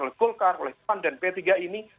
oleh golkar oleh pan dan p tiga ini